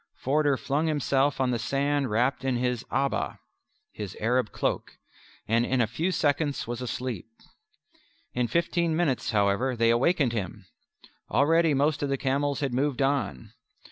Forder flung himself on the sand wrapped in his abba (his Arab cloak) and in a few seconds was asleep. In fifteen minutes, however, they awakened him. Already most of the camels had moved on.